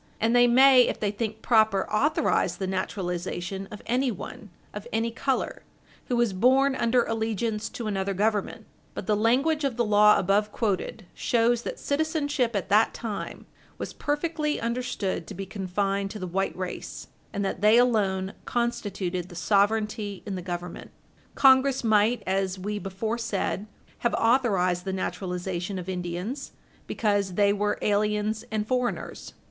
And they may, if they think proper, authorize the naturalization of anyone, of any color, who was born under allegiance to another Government. But the language of the law above quoted shows that citizenship Page 60 U. S. 420 at that time was perfectly understood to be confined to the white race; and that they alone constituted the sovereignty in the Government. Congress might, as we before said, have authorized the naturalization of Indians because they were aliens and foreigners.